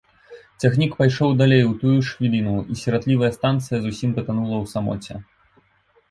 Цягнік пайшоў далей у тую ж хвіліну, і сіратлівая станцыя зусім патанула ў самоце.